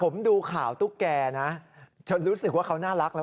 ผมดูข่าวตุ๊กแก่นะจนรู้สึกว่าเขาน่ารักแล้ว